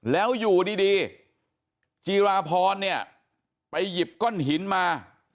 แล้วอยู่ดีจีราพรเนี่ยไปหยิบก้อนหินมา